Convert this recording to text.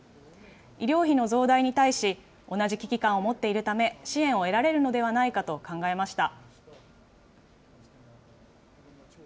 医療費の増大に対し、同じ危機感を持っているため、支援を得られるのではないかと考えました。